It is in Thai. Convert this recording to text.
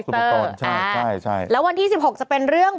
เป็นการกระตุ้นการไหลเวียนของเลือด